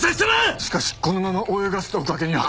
しかしこのまま泳がせておくわけには。